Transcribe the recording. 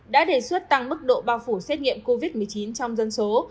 đã đề xuất tăng mức độ bao phủ xét nghiệm covid một mươi chín trong dân số